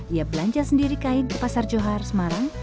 ia belanja sendiri kain ke pasar johar semarang